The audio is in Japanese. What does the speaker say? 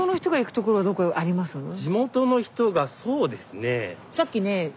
地元の人がそうですね。